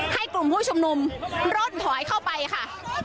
กลุ่มผู้ชุมนุมร่อนถอยเข้าไปค่ะ